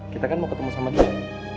kita kan mau ketemu sama dia